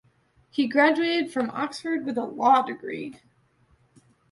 He graduated from Oxford with a law degree.